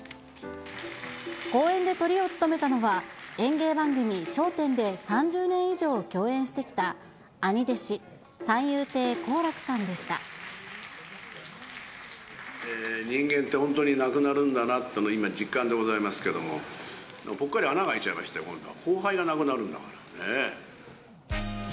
公演でトリを務めたのは、演芸番組、笑点で３０年以上共演してき人間って、本当に亡くなるんだなと、今、実感でございますけれども、ぽっかり穴が開いちゃいましたよ、後輩が亡くなるんだからね。